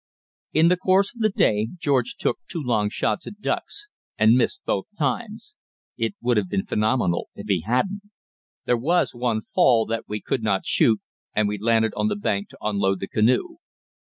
In the course of the day George took two long shots at ducks, and missed both times; it would have been phenomenal if he hadn't. There was one fall that we could not shoot, and we landed on the bank to unload the canoe.